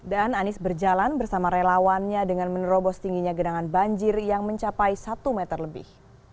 anies berjalan bersama relawannya dengan menerobos tingginya genangan banjir yang mencapai satu meter lebih